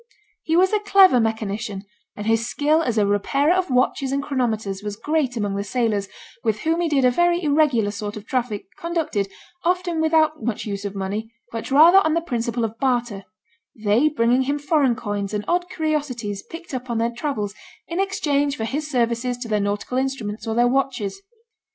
He was a clever mechanician, and his skill as a repairer of watches and chronometers was great among the sailors, with whom he did a very irregular sort of traffic, conducted, often without much use of money, but rather on the principle of barter, they bringing him foreign coins and odd curiosities picked up on their travels in exchange for his services to their nautical instruments or their watches.